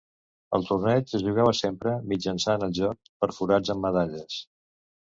El torneig es jugava sempre mitjançant el joc per forats amb medalles.